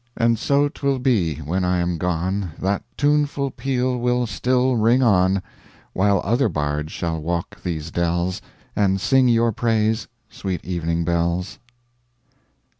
And so 'twill be when I am gone That tuneful peal will still ring on; While other bards shall walk these dells, And sing your praise, sweet evening bells.